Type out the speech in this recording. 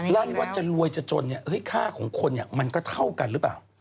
ร่านว่าจะรวยจะจนเนี่ยค่าของคนเนี่ยมันก็เท่ากันหรือเปล่า